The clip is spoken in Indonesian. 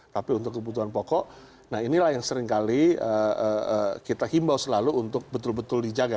tapi untuk kebutuhan pokok nah inilah yang seringkali kita himbau selalu untuk betul betul dijaga